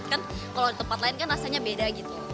kan kalau di tempat lain kan rasanya beda gitu